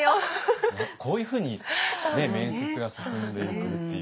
こういうふうに面接が進んでいくっていう。